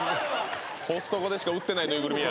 「コストコでしか売ってない縫いぐるみや」